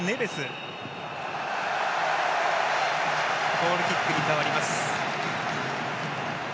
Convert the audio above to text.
ゴールキックに変わります。